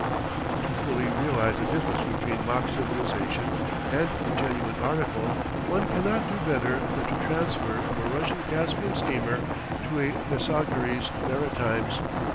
To fully realize the difference between mock civilization and the genuine article, one cannot do better than to transfer from a Russian Caspian steamer to a Messageries Maritimes.